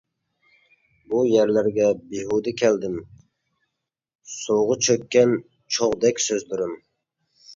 بۇ يەرلەرگە بىھۇدە كەلدىم، سۇغا چۆككەن چوغدەك سۆزلىرىم.